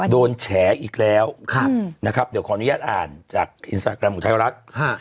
แฉอีกแล้วนะครับเดี๋ยวขออนุญาตอ่านจากอินสตาแกรมของไทยรัฐ